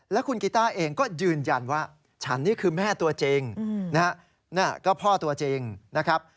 แล้วคุณกีต้าเองก็ยืนยันว่าฉันนี่คือแม่ตัวจริงนะฮะก็พ่อตัวจริงนะครับ